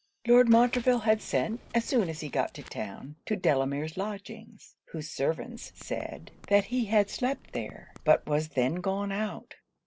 Lord Montreville had sent as soon as he got to town to Delamere's lodgings, whose servants said that he had slept there, but was then gone out.